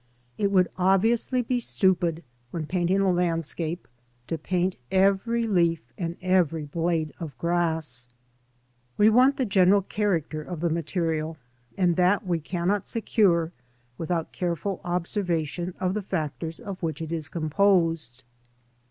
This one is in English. IT would obviously be stupid when painting a landscape, to paint every leaf and every blade of grass. We want the general character of the material, and that we cannot secure without careful observation of the factors of which it is composed.